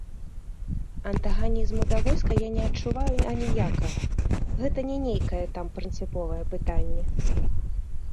Антаганізму да войска я не адчуваю аніякага, гэта не нейкае там прынцыповае пытанне.